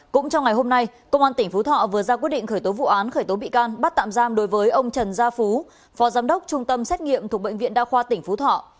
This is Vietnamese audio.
cũng trong ngày hôm nay công an tỉnh phú thọ vừa ra quyết định khởi tố vụ án khởi tố bị can bắt tạm giam đối với ông trần gia phú phó giám đốc trung tâm xét nghiệm thuộc bệnh viện đa khoa tỉnh phú thọ